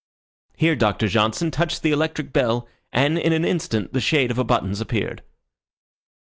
Here Doctor Johnson touched the electric bell, and in an instant the shade of a buttons appeared.